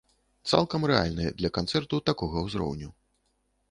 Цалкам рэальныя для канцэрту такога ўзроўню.